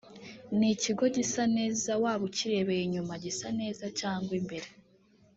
ni ikigo gisa neza waba ukirebeye inyuma gisa neza cyangwa imbere